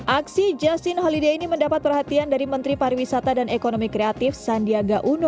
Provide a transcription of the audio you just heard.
aksi justin holida ini mendapat perhatian dari menteri pariwisata dan ekonomi kreatif sandiaga uno